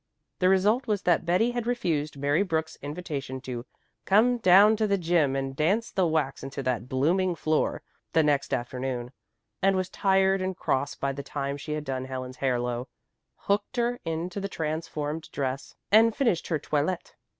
The result was that Betty had to refuse Mary Brooks's invitation to "come down to the gym and dance the wax into that blooming floor" the next afternoon, and was tired and cross by the time she had done Helen's hair low, hooked her into the transformed dress, and finished her own toilette.